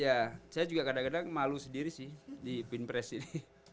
ya saya juga kadang kadang malu sendiri sih di bin pres ini